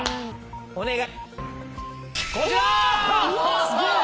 お願い！